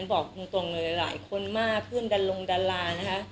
อันบอกปรุงตรงหลายคนมากเพื่อนเดินลงเดินลานะคะ